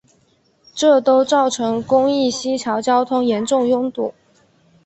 这都造成公益西桥交通严重拥堵。